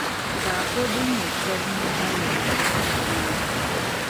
Faako din nyɛ tɔbu mini alɔbo ni dimpooi.